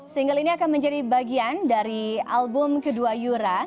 single ini akan menjadi bagian dari album kedua yura